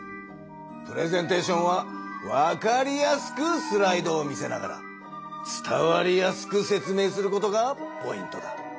プレゼンテーションはわかりやすくスライドを見せながら伝わりやすく説明することがポイントだ。